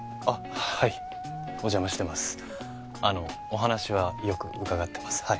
あのお話はよく伺ってます